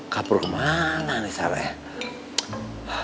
kapur kemana nih saya